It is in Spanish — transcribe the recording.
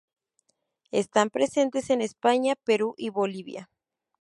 Están presentes en España, Perú y Bolivia.